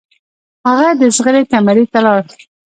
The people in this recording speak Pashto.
هغه د زغرې کمرې ته لاړ.